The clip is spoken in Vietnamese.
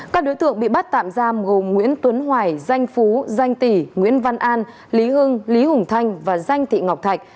các đối tượng bị bắt tạm giam gồm nguyễn tuấn hoài danh phú danh tỷ nguyễn văn an lý hưng lý hùng thanh và danh thị ngọc thạch